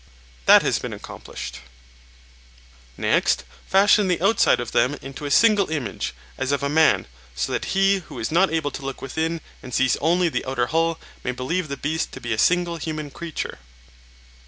That has been accomplished. Next fashion the outside of them into a single image, as of a man, so that he who is not able to look within, and sees only the outer hull, may believe the beast to be a single human creature.